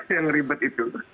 yang ribet itu